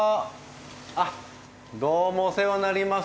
あっどうもお世話になります。